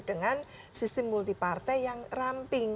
dengan sistem multipartai yang ramping